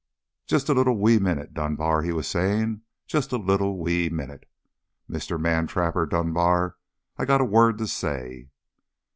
"Just a little wee minute, Dunbar," he was saying. "Just a little wee minute, Mr. Man trapper Dunbar! I got a word to say."